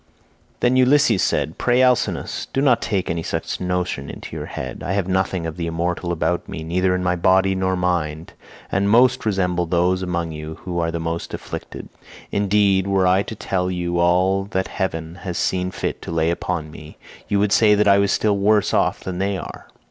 62 Then Ulysses said: "Pray, Alcinous, do not take any such notion into your head. I have nothing of the immortal about me, neither in body nor mind, and most resemble those among you who are the most afflicted. Indeed, were I to tell you all that heaven has seen fit to lay upon me, you would say that I was still worse off than they are.